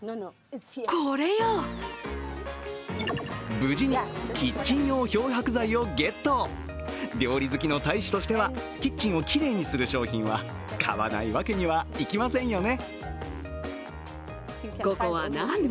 無事にキッチン用漂白剤をゲット料理好きの大使としてはキッチンをきれいにする商品は買わないわけにはいきませんよね。